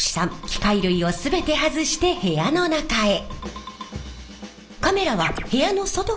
機械類を全て外して部屋の中へ。